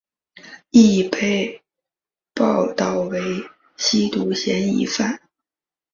亦被报导为吸毒嫌疑犯。